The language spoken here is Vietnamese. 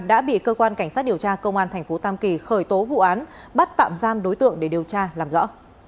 đã bị cơ quan cảnh sát điều tra công an thành phố tam kỳ khởi tố vụ án bắt tạm giam đối tượng để điều tra làm rõ